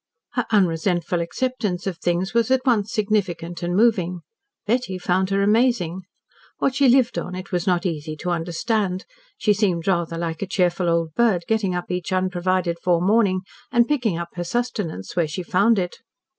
Her unresentful acceptance of things was at once significant and moving. Betty found her amazing. What she lived on it was not easy to understand. She seemed rather like a cheerful old bird, getting up each unprovided for morning, and picking up her sustenance where she found it.